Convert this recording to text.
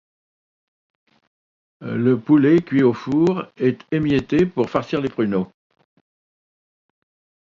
Le poulet, cuit au four, est émietté pour farcir les pruneaux.